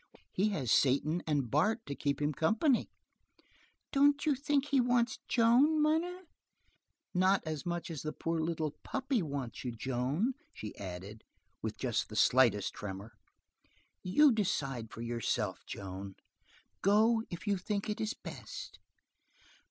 "He has Satan and Bart to keep him company." "Don't you think he wants Joan, munner?" "Not as much as the poor little puppy wants you, Joan." She added, with just the slightest tremor: "You decide for yourself, Joan. Go if you think it is best."